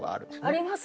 ありますね。